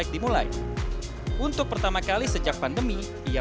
ilma read media mengubah sejak pada establishan